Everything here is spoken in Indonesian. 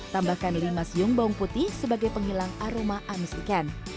tambahkan lima siung bawang putih sebagai penghilang aroma amis ikan